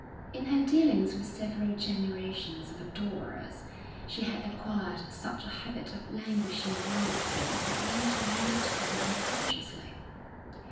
In her dealings with several generations of adorers, she had acquired such a habit of languishing glances that now she used them unconsciously.